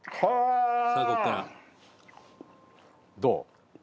どう？